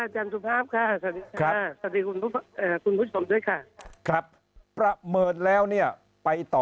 จันทุภาพค่ะคุณผู้ชมด้วยค่ะครับประเมิดแล้วเนี่ยไปต่อ